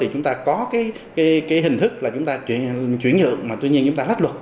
hình thức là chúng ta chuyển dưỡng mà tuy nhiên chúng ta lách luật